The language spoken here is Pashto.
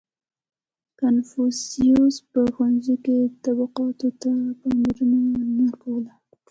• کنفوسیوس په ښوونځي کې طبقاتو ته پاملرنه نه کوله.